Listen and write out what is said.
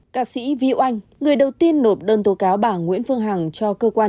ca sĩ vị oanh người đầu tiên nộp đơn tố cáo bà nguyễn phương hằng cho cơ quan chức năng